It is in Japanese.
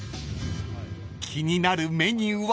［気になるメニューは？］